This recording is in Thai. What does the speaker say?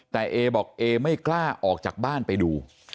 แต่เอบอกเอไม่กล้าออกจากบ้านไปดู